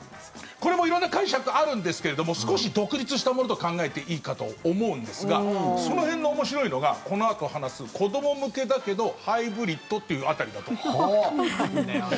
これも色んな解釈あるんですけれども少し独立したものと考えていいかと思うんですがその辺の面白いのがこのあと話す子ども向けだけどハイブリッドっていう辺りだと思います。